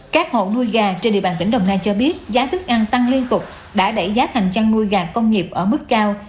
các hộ nuôi gà trên địa bàn tỉnh đồng nai cho biết giá thức ăn tăng liên tục đã đẩy giá thành chăn nuôi gà công nghiệp ở mức cao